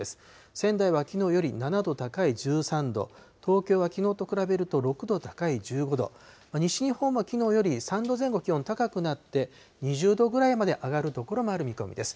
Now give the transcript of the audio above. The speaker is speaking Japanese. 仙台はきのうより７度高い１３度、東京はきのうと比べると６度高い１５度、西日本はきのうより３度前後気温高くなって、２０度ぐらいまで上がる所もある見込みです。